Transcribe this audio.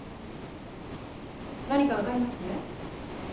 何か分かりますね？